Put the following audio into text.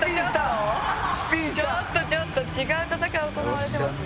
ちょっとちょっと違う戦い行われてますね。